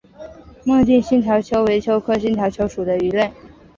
孟定新条鳅为鳅科新条鳅属的鱼类。